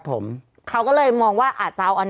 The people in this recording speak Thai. พี่ขับรถไปเจอแบบ